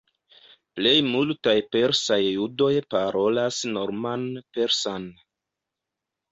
Plej multaj persaj judoj parolas norman persan.